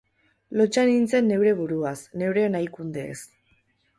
Lotsa nintzen neure buruaz, neure nahikundeez.